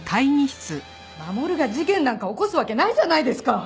マモルが事件なんか起こすわけないじゃないですか！